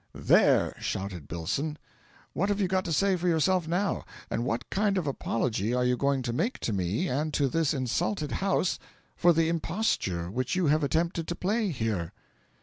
"There!" shouted Billson, "what have you got to say for yourself now? And what kind of apology are you going to make to me and to this insulted house for the imposture which you have attempted to play here?"